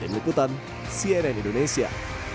dengan ikutan cnn indonesia